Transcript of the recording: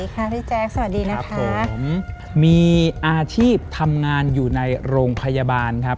ค่ะพี่แจ๊คสวัสดีนะคะผมมีอาชีพทำงานอยู่ในโรงพยาบาลครับ